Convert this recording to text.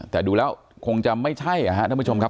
แต่ดูแล้วคงจะไม่ใช่นะครับท่านผู้ชมครับ